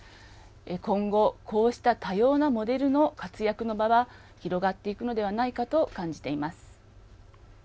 今後、こうした多様なモデルの活躍の場は広がっていくのではないかと感じています。